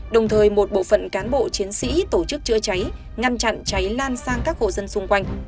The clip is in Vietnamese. đồng thời một bộ phận cán bộ chiến sĩ tổ chức chữa cháy ngăn chặn cháy lan sang các hộ dân xung quanh